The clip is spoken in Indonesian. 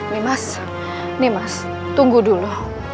nih mas ini mas tunggu dulu